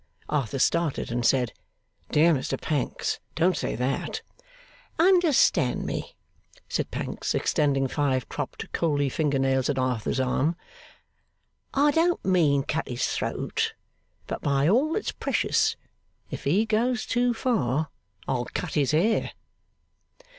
Arthur started and said, 'Dear me, Pancks, don't say that!' 'Understand me,' said Pancks, extending five cropped coaly finger nails on Arthur's arm; 'I don't mean, cut his throat. But by all that's precious, if he goes too far, I'll cut his hair!